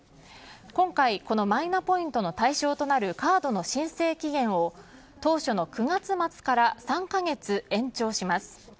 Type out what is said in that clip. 今回、このマイナポイントの対象となるカードの申請期限を当初の９月末から３カ月延長します。